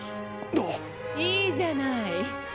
なっ⁉いいじゃない。